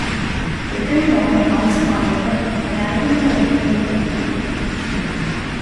Wir können auch eine ganz andere, eine eigene neue Politik entwickeln.